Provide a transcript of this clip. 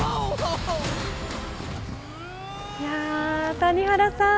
谷原さん